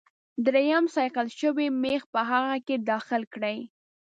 دریم صیقل شوی میخ په هغه کې داخل کړئ.